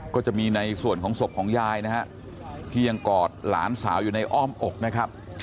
ก็จะมีในส่วนของศพของยายนะฮะที่ยังกอดหลานสาวอยู่ในอ้อมอกนะครับ